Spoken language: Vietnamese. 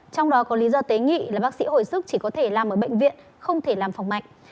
trong đó có lý do tế nghị là bác sĩ hồi sức chỉ có thể làm ở bệnh viện không thể làm phòng mạnh